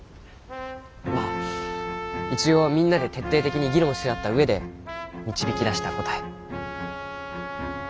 まあ一応みんなで徹底的に議論し合った上で導き出した答え。